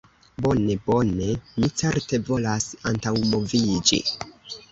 Bone, bone. Mi certe volas antaŭmoviĝi.